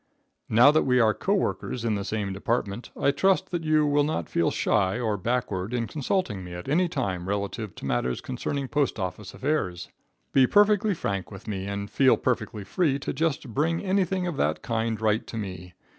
Now that we are co workers in the same department, I trust that you will not feel shy or backward in consulting me at any time relative to matters concerning postoffice affairs. Be perfectly frank with me, and feel perfectly free to just bring anything of that kind right to me.